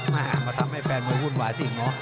มาทำให้แฟนมันหุ้นหวาสิงหรอ